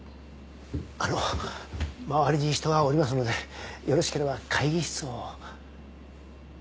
あの周りに人がおりますのでよろしければ会議室を。